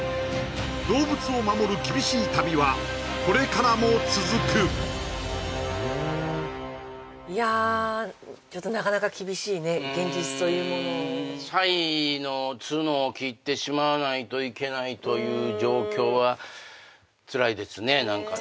動物を守る厳しい旅はこれからも続くいやちょっとなかなか厳しいね現実というものをサイの角を切ってしまわないといけないという状況はつらいですね何かね